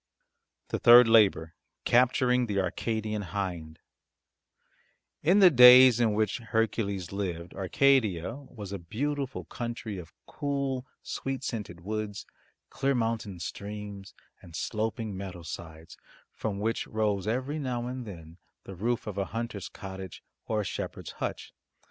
THE THIRD LABOUR CAPTURING THE ARCADIAN HIND In the days in which Hercules lived, Arcadia was a beautiful country of cool, sweet scented woods, clear mountain streams, and sloping meadow sides from which rose every now and then the roof of a hunter's cottage or a shepherd's hutch.